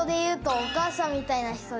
お母さん。